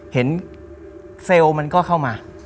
เซลล์มันก็เข้ามา